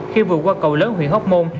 khi vừa qua cầu lớn huyện hóc môn